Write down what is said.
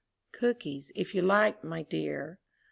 "Cookies, if you like, my dear."